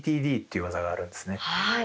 いう技があるんですね。